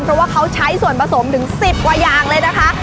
เพราะว่าเขาใช้ส่วนผสมถึง๑๐กว่าอย่างเลยนะคะ